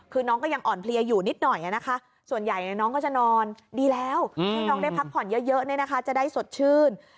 คือน้องก็ยังอ่อนเพลียอยู่นิดหน่อยนะคะส่วนใหญ่น้องก็จะนอนดีแล้วให้น้องได้พักผ่อนเยอะจะได้สดชื่น